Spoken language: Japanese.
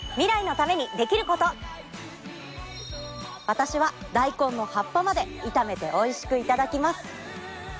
私は大根の葉っぱまで炒めておいしくいただきます。